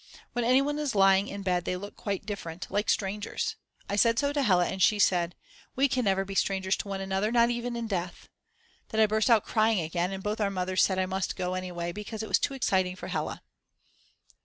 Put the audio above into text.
When anyone is lying in bed they look quite different, like strangers. I said so to Hella, and she said: We can never be strangers to one another, not even in death. Then I burst out crying again and both our mothers said I must go away because it was too exciting for Hella.